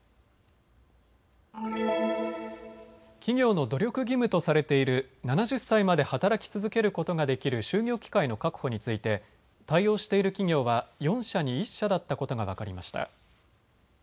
企業の努力義務とされている７０歳まで働き続けることができる就業機会の確保について対応している企業は４社に１社だったことが分かりました。